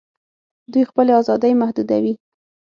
دوی خپلي آزادۍ محدودوي